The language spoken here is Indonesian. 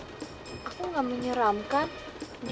justru aku sangat mencintai dan menyayangi boy